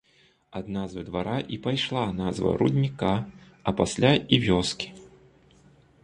Ад назвы двара і пайшла назва рудніка, а пасля і вёскі.